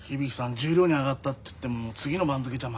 十両に上がったっつっても次の番付じゃ幕下だしな。